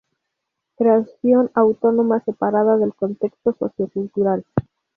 Creación autónoma separada del contexto socio-cultural.